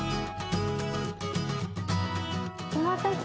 お待たせ。